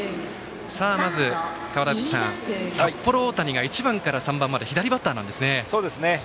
まず川原崎さん、札幌大谷が１番から３番まで左バッターなんですね。